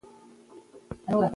که غوږ خلاص وي نو خبره نه تیریږي.